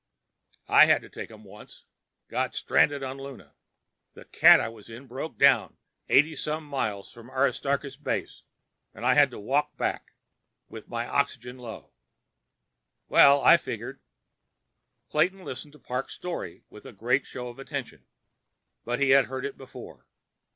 "I had to take them once. Got stranded on Luna. The cat I was in broke down eighty some miles from Aristarchus Base and I had to walk back—with my oxy low. Well, I figured—" Clayton listened to Parks' story with a great show of attention, but he had heard it before.